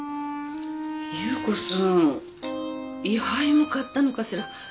夕子さん位牌も買ったのかしら。